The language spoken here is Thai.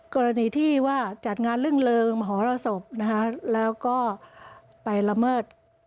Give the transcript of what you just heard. กรณีที่ว่าจัดงานลื่นเริงมหรสบนะคะแล้วก็ไปละเมิด